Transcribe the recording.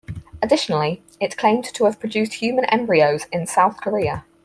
Additionally, it claimed to have produced human embryos in South Korea.